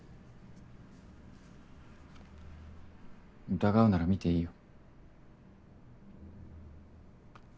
疑うなら見ていいよ。